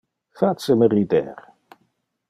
Face me rider.